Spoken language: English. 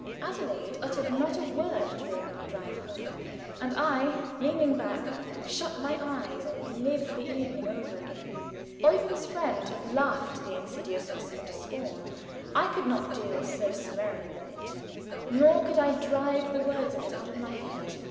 Adelaide uttered not a word during our drive home, and I, leaning back, shut my eyes and lived the evening over again. Eugen's friend had laughed the insidious whisper to scorn. I could not deal so summarily with it; nor could I drive the words of it out of my head.